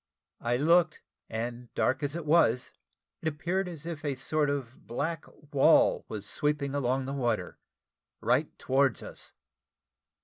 I looked, and dark as it was, it appeared as if a sort of black wall was sweeping along the water right towards us.